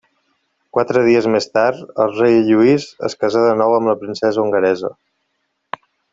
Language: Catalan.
Quatre dies més tard el rei Lluís es casà de nou amb la princesa hongaresa.